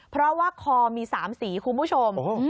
เพราะว่าคอมี๓สีคุณผู้ชม